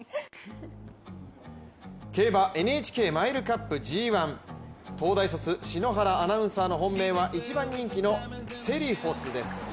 競馬ＮＨＫマイルカップＧⅠ、東大卒篠原アナウンサーの本命は１番人気のセリフォスです。